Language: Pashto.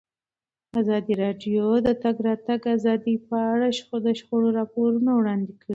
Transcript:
ازادي راډیو د د تګ راتګ ازادي په اړه د شخړو راپورونه وړاندې کړي.